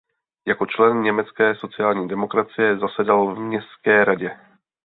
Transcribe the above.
Jako člen německé sociální demokracie zasedal v městské radě.